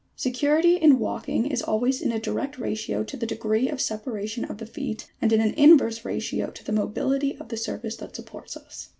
Security in walking is always in a direct ratio to the degree of separation of the feet, and in an inverse ratio to the mobility of the surface that supports us.